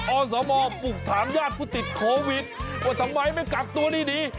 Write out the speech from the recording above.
อสมปลุกถามญาติผู้ติดโควิดว่าทำไมไม่กักตัวดี